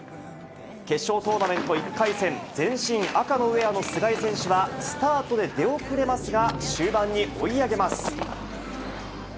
決勝トーナメント１回戦、全身赤のウエアの須貝選手は、スタートで出遅れますが、終盤に追い上げます。